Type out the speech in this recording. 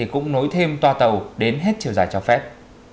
cũng nối thêm toa tàu đến hết chiều dài cho phép